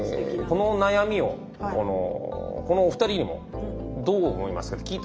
この悩みをこのお二人にもどう思いますかって聞いたんですよ。